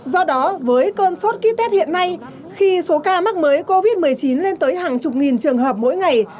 do đó với cơn sốt ký tết hiện nay khi số ca mắc mới covid một mươi chín lên tới hàng chục nghìn trường hợp mỗi ngày